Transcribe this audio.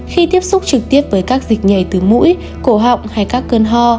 khi tiếp xúc trực tiếp với các dịch nhảy từ mũi cổ họng hay các cơn ho